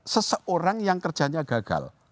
seseorang yang kerjanya gagal